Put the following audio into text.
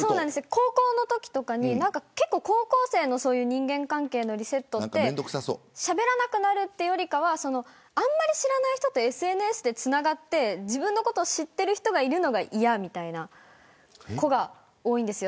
高校のときとかに高校生の人間関係のリセットってしゃべらなくなるというよりは知らない人とＳＮＳでつながって自分のことを知っている人がいるのが嫌みたいなそういう子が多いんですよ。